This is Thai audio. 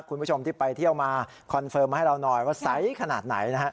คุณผู้ชมที่ไปเที่ยวมาคอนเฟิร์มมาให้เราหน่อยว่าใสขนาดไหนนะฮะ